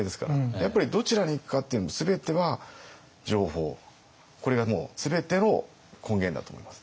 やっぱりどちらに行くかっていうのも全ては情報これが全ての根源だと思います。